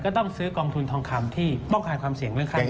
ก็ต้องซื้อกองทุนทองคำที่ป้องกันความเสี่ยงและค่าเงิน